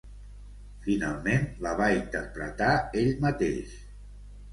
Finalment la va interpretar ell mateix.